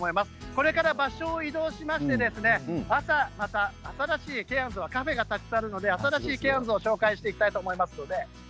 これから場所を移動しましてまた新しいケアンズカフェがたくさんありますので紹介していきたいと思います。